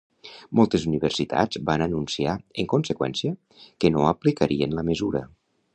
Moltes universitats van anunciar, en conseqüència, que no aplicarien la mesura.